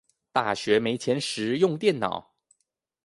大學沒錢時用電腦